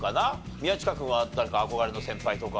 宮近君は誰か憧れの先輩とか。